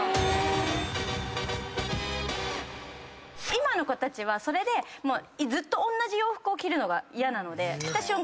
今の子たちはずっと同じ洋服を着るのが嫌なので着た瞬間